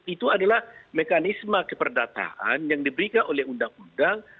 itu adalah mekanisme keperdataan yang diberikan oleh undang undang